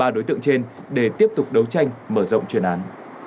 ba đối tượng trên để tiếp tục đấu tranh mở rộng chuyên án